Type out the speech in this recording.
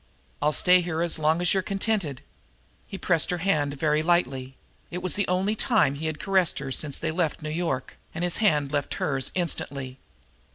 I'll stay here as long as you're contented." He pressed her hand very lightly; it was the only time he had caressed her since they left New York, and his hand left hers instantly.